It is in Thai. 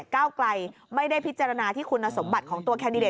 ก้าวไกลไม่ได้พิจารณาที่คุณสมบัติของตัวแคนดิเดต